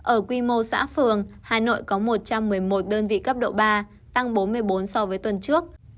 ở quy mô xã phường hà nội có một trăm một mươi một đơn vị cấp độ ba tăng bốn mươi bốn so với tuần trước